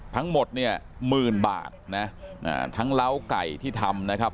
ทั้งหมดเนี่ยหมื่นบาทนะทั้งเล้าไก่ที่ทำนะครับ